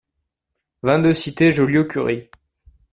vingt-deux cité Joliot-Curie